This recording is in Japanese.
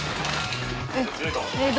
えっ？